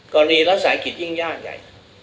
กรณีรายวิสาหกิจยิ่งยากใหญ่